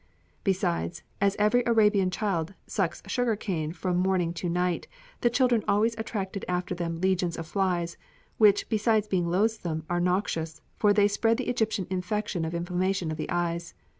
Besides, as every Arabian child sucks sugar cane from morning to night, the children always attract after them legions of flies, which besides being loathsome are noxious, for they spread the Egyptian infection of inflammation of the eyes.